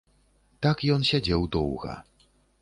Так ён сядзеў доўга.